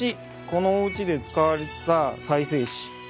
このおうちで使われてた再生紙